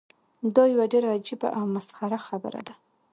دا یوه ډیره عجیبه او مسخره خبره ده.